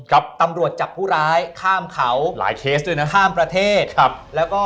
ครับตำรวจจับผู้ร้ายข้ามเขาหลายเคสด้วยนะข้ามประเทศครับแล้วก็